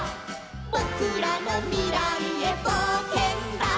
「ぼくらのみらいへぼうけんだ」